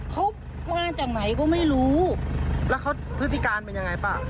เขามาจากไหนก็ไม่รู้แล้วเขาพฤติการเป็นยังไงป่ะ